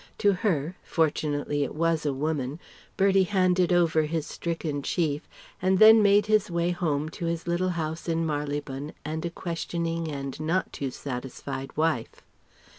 To her fortunately it was a woman Bertie handed over his stricken chief, and then made his way home to his little house in Marylebone and a questioning and not too satisfied wife.